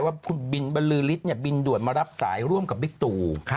ว่าบินบรรลือริศบินด่วนมารับสายร่วมกับปริกตู